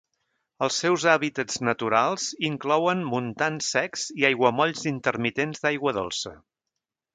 Els seus hàbitats naturals inclouen montans secs i aiguamolls intermitents d'aigua dolça.